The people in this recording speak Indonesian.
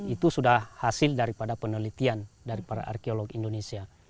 itu sudah hasil daripada penelitian dari para arkeolog indonesia